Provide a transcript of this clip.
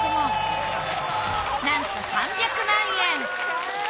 なんと３００万円。